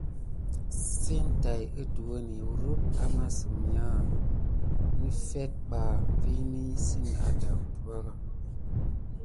Sine tat kuduweni kurum amayusa nefet bas vini sina adayuka.